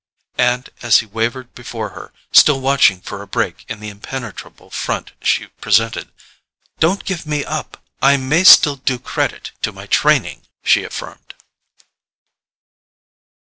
And as he wavered before her, still watching for a break in the impenetrable front she presented: "Don't give me up; I may still do credit to my training!" she affirmed.